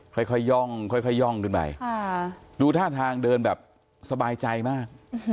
ค่อยย่องค่อยย่องขึ้นไปดูท่าทางเดินแบบสบายใจมาก